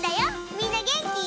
みんなげんき？